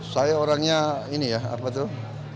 saya orangnya ini ya apa tuh